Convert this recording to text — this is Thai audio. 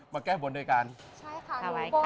ใช่ค่ะดูบนถวายไข่ค่ะ